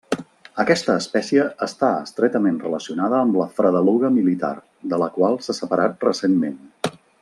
Aquesta espècie està estretament relacionada amb la fredeluga militar, de la qual s'ha separat recentment.